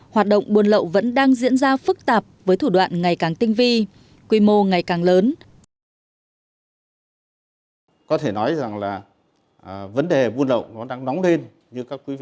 hoạt động buôn lậu vẫn đang diễn ra phức tạp với thủ đoạn ngày càng tinh vi quy mô ngày càng lớn